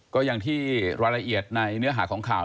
ก็อย่างที่รายละเอียดในเนื้อหาของข่าว